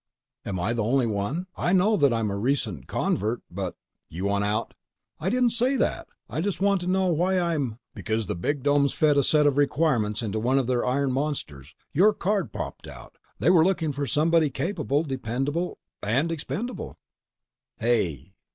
"Am I the only one? I know I'm a recent convert, but—" "You want out?" "I didn't say that. I just want to know why I'm—" "Because the bigdomes fed a set of requirements into one of their iron monsters. Your card popped out. They were looking for somebody capable, dependable ... and ... expendable!" "Hey!"